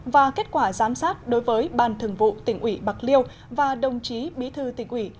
và kết quả giám sát đối với ban thường vụ tỉnh ủy bạc liêu và đồng chí bí thư tỉnh ủy